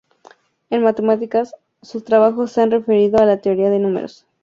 En matemáticas, sus trabajos se han referido a la teoría de números.